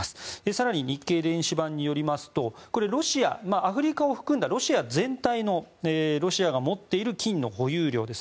更に日経電子版によりますとアフリカを含んだロシア全体のロシアが持っている金の保有量。